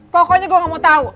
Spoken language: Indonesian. pokoknya gue gak mau tahu